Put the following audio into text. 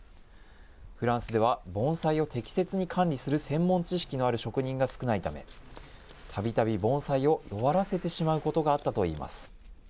フランスでは盆栽を適切に管理する専門知識のある職人が少ないため、たびたび盆栽を弱らせてしまうことがあったといいます。